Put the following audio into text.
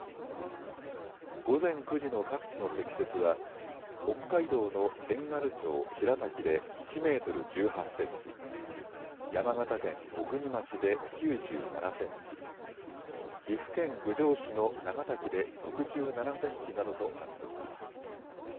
午前９時の各地の積雪は北海道の遠軽町白滝で１メートル１８センチ、山形県小国町で９７センチ、岐阜県郡上市の長滝で６７センチなどとなっています。